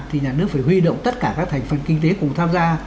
thì nhà nước phải huy động tất cả các thành phần kinh tế cùng tham gia